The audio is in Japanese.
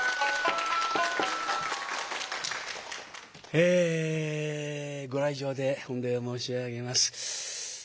えご来場で御礼申し上げます。